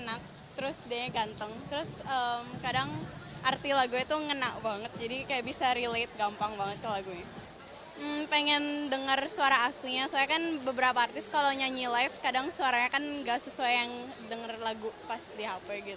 ada yang ingin mendengar suara aslinya karena kan beberapa artis kalau nyanyi live kadang suaranya kan gak sesuai dengan lagu pas di hp gitu